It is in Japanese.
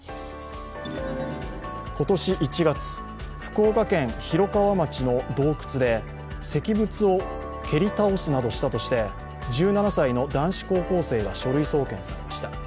今年１月、福岡県広川町の洞窟で石仏を蹴り倒すなどしたとして、１７歳の男子高校生が書類送検されました。